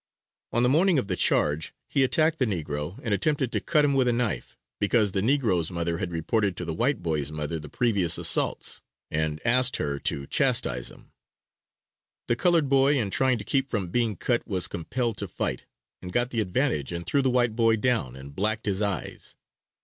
On the morning of the charge he attacked the negro and attempted to cut him with a knife, because the negro's mother had reported to the white boy's mother the previous assaults, and asked her to chastise him. The colored boy in trying to keep from being cut was compelled to fight, and got the advantage and threw the white boy down and blacked his eyes.